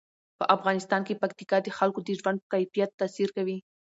په افغانستان کې پکتیکا د خلکو د ژوند په کیفیت تاثیر کوي.